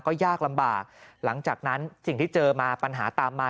ก็ยากลำบากหลังจากนั้นสิ่งที่เจอมาปัญหาตามมา